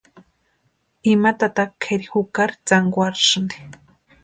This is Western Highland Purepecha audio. Ima tata kʼeri jukari tsankwarasïnti.